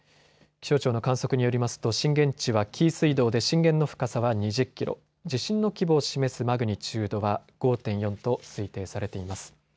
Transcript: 気象庁の観測によりますと震源地は紀伊水道で震源の深さは２０キロ、地震の規模を示すマグニチュードは５．４と推定されています。